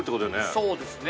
そうですよね。